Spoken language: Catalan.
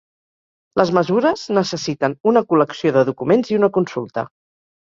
Les mesures necessiten una col·lecció de documents i una consulta.